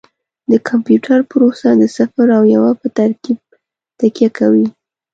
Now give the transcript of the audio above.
د کمپیوټر پروسه د صفر او یو په ترکیب تکیه کوي.